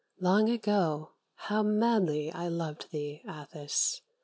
Long ago, how madly I loved thee, Atthis!